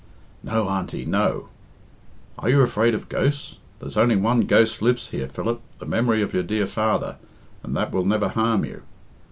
"No, Auntie, no." "Are you afraid of ghosts? There's only one ghost lives here, Philip, the memory of your dear father, and that will never harm you."